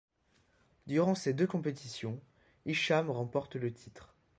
Durant ces deux compétitions, Hicham remporte le titre.